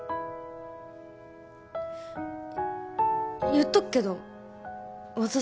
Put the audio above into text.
言っとくけど私